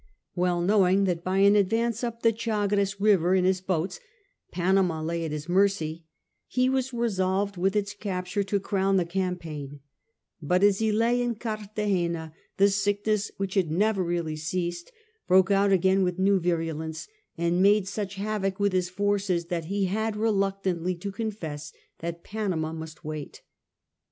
Well knowing that by an advance up the Ghagres river in his boats Panama lay at his n^ercy, he was resolved with its capture to crown the campaign ; but as he lay in Cartagena the sickness, which had never really ceased, broke out again with new virulence, and made such havoc with his force that he had reluctantly to con fess that Panama must wait.